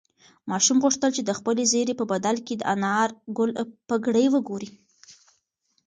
ماشوم غوښتل چې د خپل زېري په بدل کې د انارګل پګړۍ وګوري.